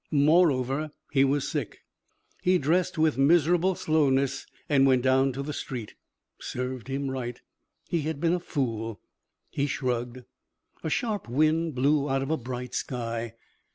Moreover, he was sick. He dressed with miserable slowness and went down to the street. Served him right. He had been a fool. He shrugged. A sharp wind blew out of a bright sky.